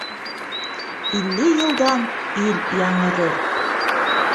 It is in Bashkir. Илле йылдан ил яңырыр